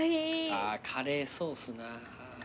あカレーソースなあ。